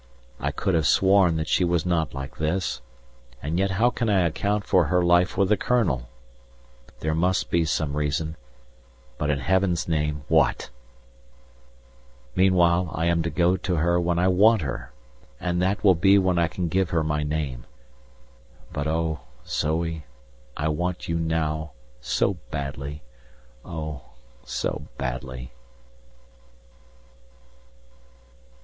I could have sworn that she was not like this and yet how can I account for her life with the Colonel? There must be some reason, but in Heaven's name, what? Meanwhile I am to go to her when I want her! And that will be when I can give her my name. But oh! Zoe, I want you now, so badly, oh! so badly!